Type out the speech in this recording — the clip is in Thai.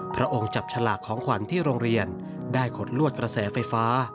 พระองค์จับฉลากของขวัญที่โรงเรียนได้ขดลวดกระแสไฟฟ้า